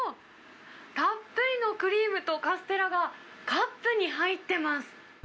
たっぷりのクリームとカステラがカップに入ってます。